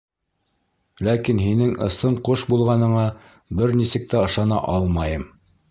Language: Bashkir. Ләкин һинең ысын ҡош булғаныңа бер нисек тә ышана алмайым.